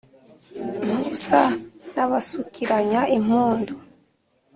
Ntusa n’abasukiranya impundu